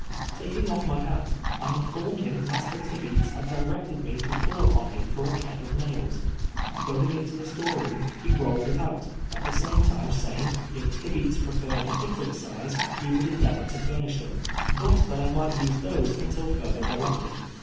Taking off my hat, I informed liini ]\raster Tibeats had directed me to call upon him for a keg of nails. Going into the store room, he rolled it out, at the same time say ing, if Tibeats preferred a different size, he would en deavor to furnish them, but that I might use those until further directed.